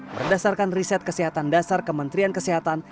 berdasarkan riset kesehatan dasar kementerian kesehatan